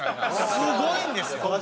すごいんですよ。